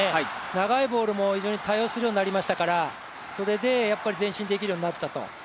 長いボールも非常に多用するようになりましたからそれで、やっぱり前進できるようになったと。